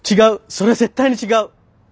それ絶対に違う！